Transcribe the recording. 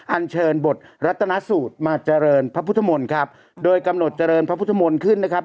อันเชิญบทรัฐนสูตรมาเจริญพระพุทธมนตร์ครับโดยกำหนดเจริญพระพุทธมนต์ขึ้นนะครับ